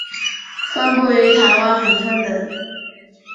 分布于台湾恒春等。